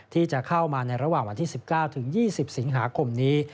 ที่จะเข้ามาในระหว่างวันที่๑๙๒๐สิงหาคมนี้